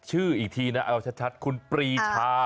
ชื่ออีกทีนะเอาชัดคุณปรีชา